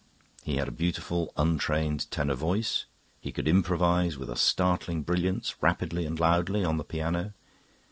He had a beautiful untrained tenor voice; he could improvise, with a startling brilliance, rapidly and loudly, on the piano.